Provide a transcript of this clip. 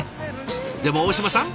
でも大嶋さん